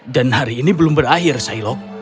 dan hari ini belum berakhir shailok